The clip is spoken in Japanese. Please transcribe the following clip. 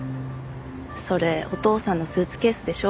「それお父さんのスーツケースでしょ？」